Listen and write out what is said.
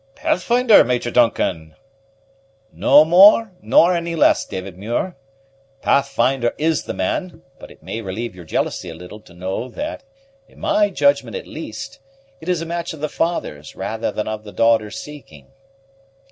"Pathfinder, Major Duncan!" "No more, nor any less, David Muir. Pathfinder is the man; but it may relieve your jealousy a little to know that, in my judgment at least, it is a match of the father's rather than of the daughter's seeking."